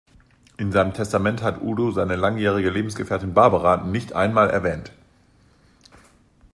In seinem Testament hat Udo seine langjährige Lebensgefährtin Barbara nicht einmal erwähnt.